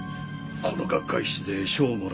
この学会誌で賞をもらったんだ。